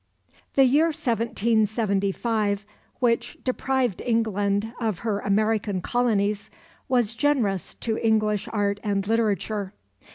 The year 1775, which deprived England of her American colonies, was generous to English art and literature.